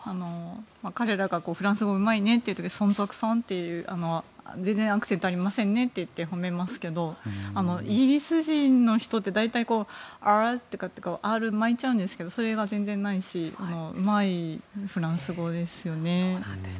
彼らがフランス語がうまいねと言っていますが全然アクセントがありませんねと言って褒めますけどイギリス人の人って大体、Ｒを巻いちゃうんですけどそれが全然ないしうまいフランス語ですよね。